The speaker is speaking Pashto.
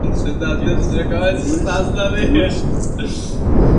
بله ګټه یې د کارونو په ښه توګه پرمخ تلل دي.